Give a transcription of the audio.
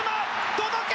届け！